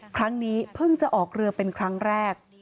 ครั้งนี้เพิ่งจะออกเรือเป็นครั้งแรก